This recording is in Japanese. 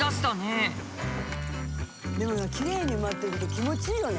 でもきれいに埋まってると気持ちいいよね。